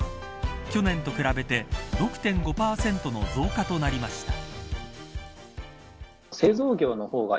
去年と比べて６．５％の増加となりました。